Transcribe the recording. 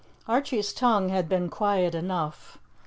Archie's tongue had been quiet enough.